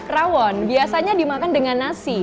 rawon biasanya dimakan dengan nasi